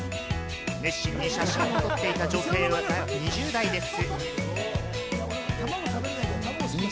熱心に写真を撮っていた女性は２０代です。